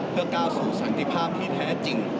เพื่อก้าวสู่สันติภาพที่แท้จริง